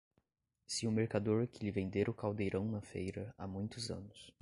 se o mercador que lhe vendera o caldeirão na feira há muitos anos